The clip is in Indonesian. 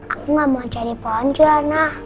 aku nggak mau jadi pohon johana